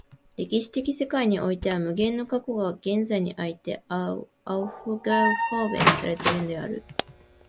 歴史的世界においては無限の過去が現在においてアウフゲホーベンされているのである。